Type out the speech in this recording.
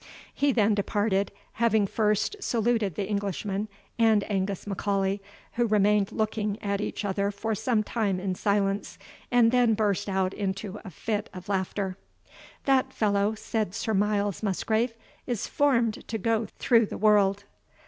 He then departed, having first saluted the Englishman and Angus M'Aulay, who remained looking at each other for some time in silence, and then burst out into a fit of laughter. "That fellow," said Sir Miles Musgrave, "is formed to go through the world."